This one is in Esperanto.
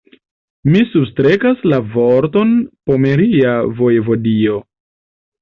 Mi substrekas la vorton "pomeria vojevodio".